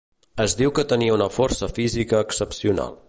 Es diu que tenia una força física excepcional.